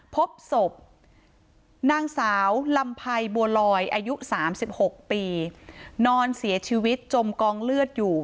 พบศพนางสาวลำไพรบัวลอยอายุ๓๖ปีนอนเสียชีวิตจมกองเลือดอยู่